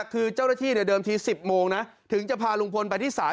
คือเจ้าหน้าที่เดิมที๑๐โมงนะถึงจะพาลุงพลไปที่ศาล